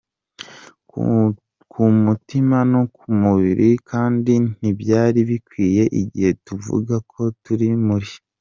ku mutima no ku mubiri, kandi ntibyari bikwiye igihe tuvuga ko turi muri